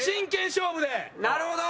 なるほど。